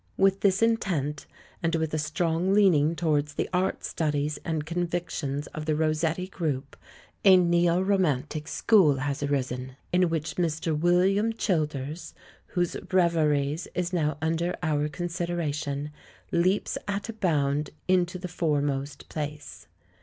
With this intent, and with a strong leaning towards the art studies and convictions of the Rossetti group, a Neo Romantic School has arisen, in which Mr. William Childers, whose Reveries is now under our consideration, leaps at a bound into the fore most place.